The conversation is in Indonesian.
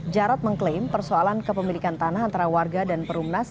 jarod mengklaim persoalan kepemilikan tanah antara warga dan perumnas